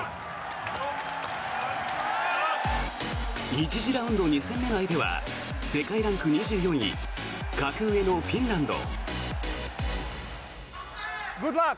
１次ラウンド２戦目の相手は世界ランク２４位格上のフィンランド。